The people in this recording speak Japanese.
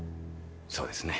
そうですね。